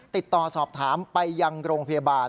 ติดต่อสอบถามไปยังโรงพยาบาล